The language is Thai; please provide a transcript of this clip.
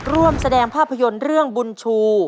ร่วมแสดงภาพยนตร์เรื่องบุญชู